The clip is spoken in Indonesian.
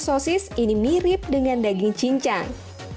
dan tekstur sosis ini mirip dengan daging cincang